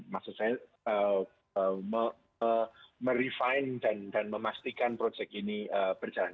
maksud saya me refine dan memastikan proyek ini berjalan